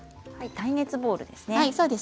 耐熱ボウルですね。